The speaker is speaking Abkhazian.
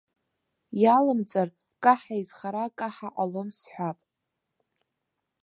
Иалымҵыр, каҳа изхара каҳа ҟалом сҳәап.